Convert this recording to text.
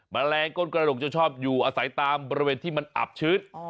แมลงก้นกระดกจะชอบอยู่อาศัยตามบริเวณที่มันอับชื้น